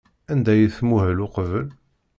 Anda ay tmuhel uqbel?